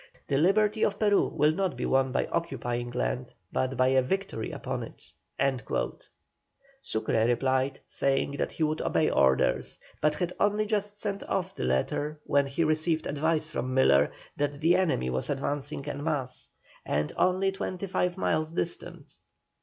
The liberty of Peru will not be won by occupying land, but by a victory upon it." Sucre replied, saying that he would obey orders; but had only just sent off the letter when he received advice from Miller that the enemy was advancing in mass, and only twenty five miles distant.